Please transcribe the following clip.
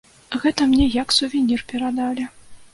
Гэта мне як сувенір перадалі.